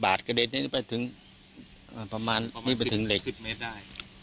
บาตกระเด็นนี่ไปถึงอ่าประมาณนี่แบบถึงเหล็กสิบเมตรได้